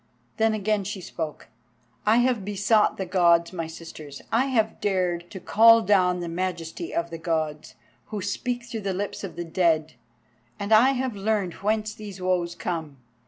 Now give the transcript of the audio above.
Then again she spoke. "I have besought the Gods, my sisters; I have dared to call down the majesty of the Gods, who speak through the lips of the dead, and I have learnt whence these woes come.